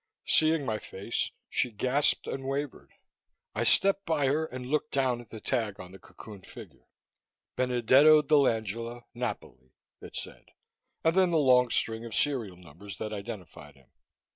Seeing my face, she gasped and wavered. I stepped by her and looked down at the tag on the cocooned figure. Benedetto dell'Angela, Napoli, it said, and then the long string of serial numbers that identified him.